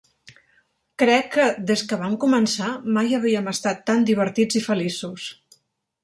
Crec que, des que vam començar, mai havíem estat tan divertits i feliços.